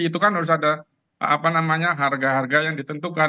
itu kan harus ada harga harga yang ditentukan